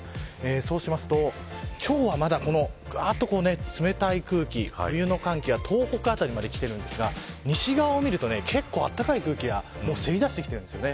そうしますと、今日はまだ冷たい空気、冬の寒気が東北辺りまできているんですが西側を見ると結構暖かい空気がせり出しているんです。